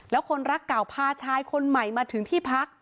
แล้วคนรักเก่าพาชายคนใหม่มาถึงที่พัก